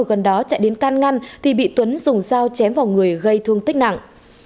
trong lúc đó chạy đến can ngăn thì bị tuấn dùng dao chém vào người gây thương tích nặng